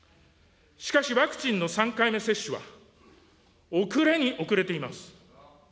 しかしワクチンの３回目接種は、遅れに遅れています。